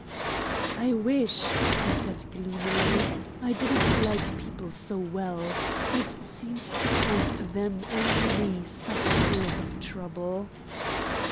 "I wish," he said, gloomily, "I didn't like people so well. It seems to cause them and me such a lot of trouble."